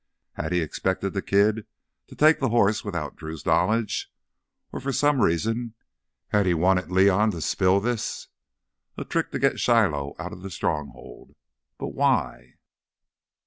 Had he expected the kid to take the horse without Drew's knowledge? Or for some reason had he wanted León to spill this? A trick to get Shiloh out of the Stronghold? But why?